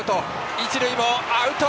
一塁もアウト！